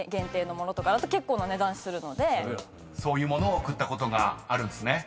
［そういう物を贈ったことがあるんですね？］